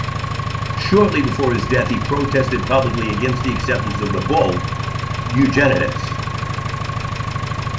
Shortly before his death he protested publicly against the acceptance of the bull "Unigenitus".